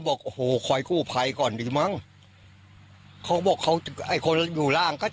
บอกโอ้โหคอยกู้ภัยก่อนดีมั้งเขาบอกเขาไอ้คนอยู่ร่างก็จะ